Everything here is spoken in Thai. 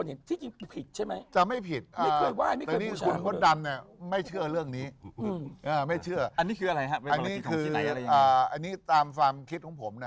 อันนี้คือตามคิดของผม